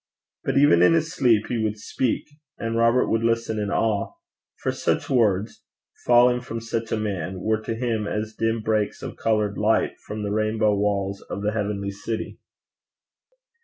But even in his sleep he would speak; and Robert would listen in awe; for such words, falling from such a man, were to him as dim breaks of coloured light from the rainbow walls of the heavenly city.